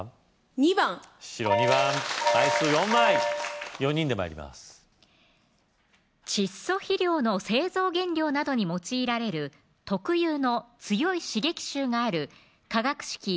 ２番白２番枚数４枚４人で参ります窒素肥料の製造原料などに用いられる特有の強い刺激臭がある化学式